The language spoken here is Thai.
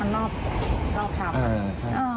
มันแลาวคราบค่ะ